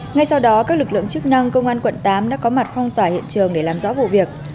ngay sau đó các lực lượng chức năng công an quận tám đã có mặt phong tỏa hiện trường để làm rõ vụ việc